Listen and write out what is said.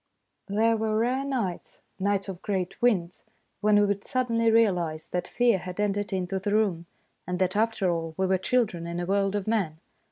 There were rare nights nights of great winds when we would suddenly realise that ON GOING TO BED 143 fear had entered into the room, and that, after all, we were children in a world of men.